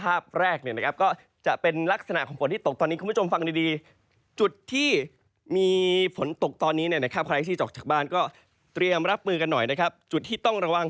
อ่านี่เป็นสถานการณ์คลื่น